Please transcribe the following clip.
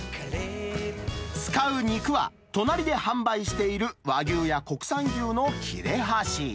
使う肉は、隣で販売している和牛や国産牛の切れ端。